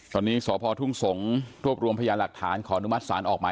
ตอนนี้สพทุ่งสงศ์รวบรวมพยานหลักฐานขออนุมัติศาลออกหมาย